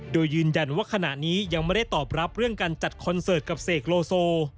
โดยยืนยันว่าขณะนี้ยังไม่ได้ตอบรับเรื่องการจัดคอนเสิร์ตกับเสกโลโซ